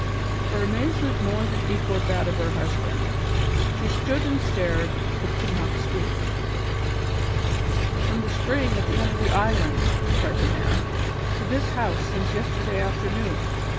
Her amazement more than equalled that of her husband; she stood and stared, but could not speak. "From the spring at the end of the island," cried the man, "to this house since yesterday afternoon!